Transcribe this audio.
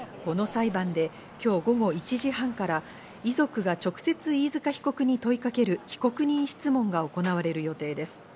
この裁判で今日午後１時半から遺族は直接、飯塚被告に問いかける被告人質問が行われる予定です。